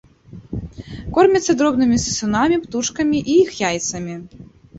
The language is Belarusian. Корміцца дробнымі сысунамі, птушкамі і іх яйцамі.